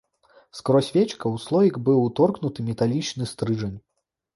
Скрозь вечка ў слоік быў уторкнуты металічны стрыжань.